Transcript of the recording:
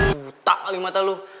putak kali mata lo